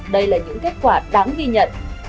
đây là những kết quả đáng ghi nhận